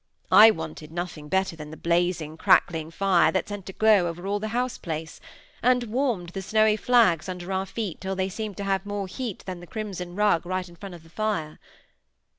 I wanted nothing better than the blazing, crackling fire that sent a glow over all the house place, and warmed the snowy flags under our feet till they seemed to have more heat than the crimson rug right in front of the fire.